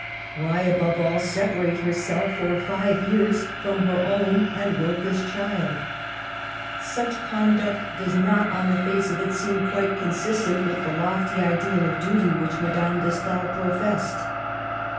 Why, above all, separate herself for five years from her own and Rocca's child ? Such conduct does not on the face of it seem quite consistent with the lofty ideal of duty which Madame de Stael pro fessed.